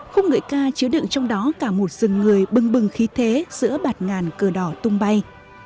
khung ngợi ca chứa đựng trong đó cả một rừng người bưng bừng khí thế giữa bạt ngàn cờ đỏ tung bay